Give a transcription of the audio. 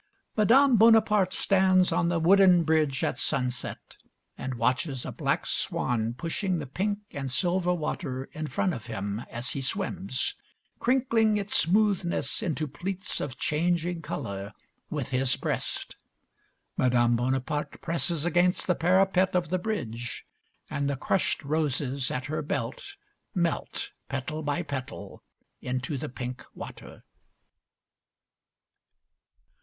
Madame Bonaparte stands on the wooden bridge at sunset, and watches a black swan pushing the pink and silver water in front of him as he swims, crinkling its smoothness into pleats of changing colour with his breast. Madame Bonaparte presses against the parapet of the bridge, and the crushed roses at her belt melt, petal by petal, into the pink water.